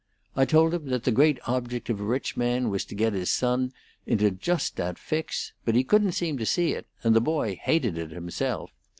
I told him that the great object of a rich man was to get his son into just that fix, but he couldn't seem to see it, and the boy hated it himself.